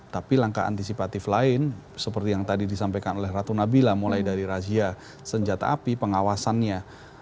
tapi langkah antisipatif lain seperti yang tadi disampaikan oleh ratu nabila mulai dari razia senjata api pengawasannya